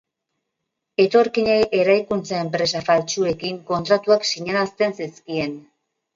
Etorkinei eraikuntza-enpresa faltsuekin kontratuak sinarazten zizkien.